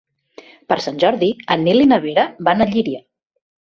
Per Sant Jordi en Nil i na Vera van a Llíria.